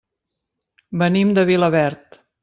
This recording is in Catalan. Venim de Vilaverd.